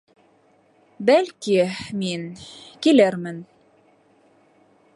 Бәлки, мин... килермен